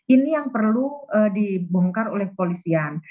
ini yang perlu dibongkar oleh polisian